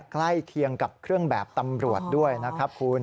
ใกล้เคียงกับเครื่องแบบตำรวจด้วยนะครับคุณ